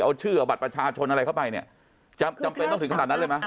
เอาชื่อเอาบัตรประชาชนอะไรเข้าไปเนี่ยจำเป็นต้องถึงขนาดนั้นเลยไหม